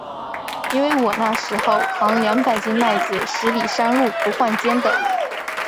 因为我那时候，扛两百斤麦子，十里山路不换肩的。